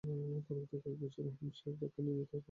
পরবর্তীতে কয়েকবছর হ্যাম্পশায়ারের পক্ষে নিয়মিতভাবে খেলেন।